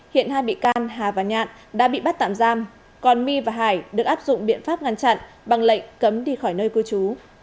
hiện hai bị can hà và nhạn đã bị bắt tạm giam còn my và hải được áp dụng biện pháp ngăn chặn bằng lệnh cấm đi khỏi nơi cư trú